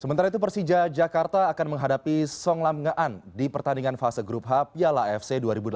sementara itu persija jakarta akan menghadapi song lam nge an di pertandingan fase grup h piala afc dua ribu delapan belas